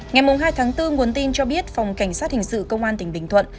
ngày hai tháng bốn nguồn tin cho biết phòng cảnh sát hình sự công an tỉnh bình thuận